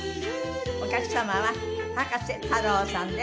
お客様は葉加瀬太郎さんです。